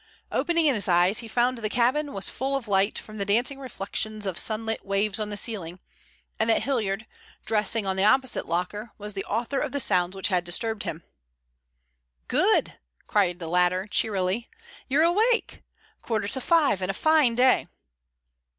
Opening his eyes he found the cabin was full of light from the dancing reflections of sunlit waves on the ceiling, and that Hilliard, dressing on the opposite locker, was the author of the sounds which had disturbed him. "Good!" cried the latter cheerily. "You're awake? Quarter to five and a fine day."